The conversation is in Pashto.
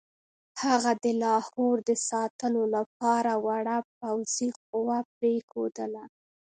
هغه د لاهور د ساتلو لپاره وړه پوځي قوه پرېښودله.